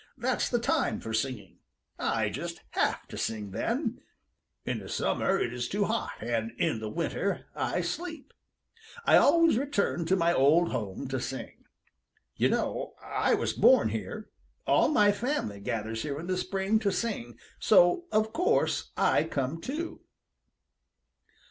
That's the time for singing. I just have to sing then. In the summer it is too hot, and in the winter I sleep. I always return to my old home to sing. You know I was born here. All my family gathers here in the spring to sing, so of course I come too."